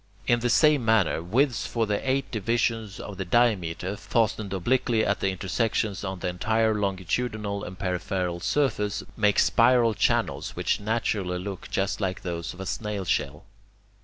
In the same manner, withes for the eight divisions of the diameter, fastened obliquely at the intersections on the entire longitudinal and peripheral surface, make spiral channels which naturally look just like those of a snail shell.